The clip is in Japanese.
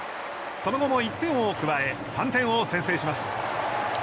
その後も１点を加え３点を先制します。